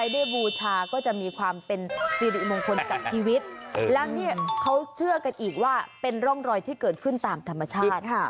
รอยที่เกิดขึ้นตามธรรมชาติ